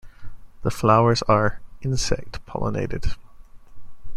The flowers are -insect-pollinated.